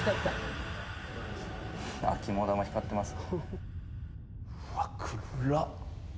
キモ玉光ってます。